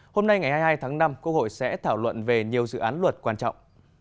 hôm nay ngày hai mươi hai tháng năm quốc hội sẽ thảo luận về nhiều dự án luật quan trọng